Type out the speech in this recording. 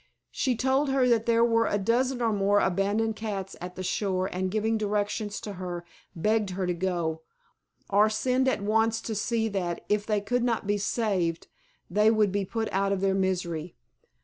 She told her that there were a dozen or more abandoned cats at the shore and giving directions to her begged her to go, or send at once to see that, if they could not be saved, they would be put out of their misery.